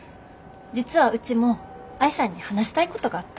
実はうちも愛さんに話したいことがあった。